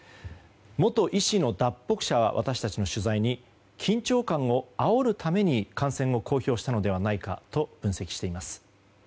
元医師の脱北者は私たちの取材に緊張感をあおるために感染を公表したのではないかと分析しています。